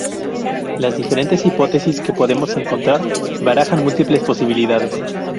Las diferentes hipótesis que podemos encontrar barajan múltiples posibilidades.